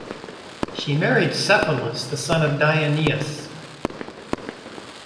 She married Cephalus, the son of Deioneus.